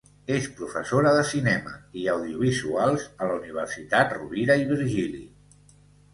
És professora de cinema i audiovisuals a la Universitat Rovira i Virgili.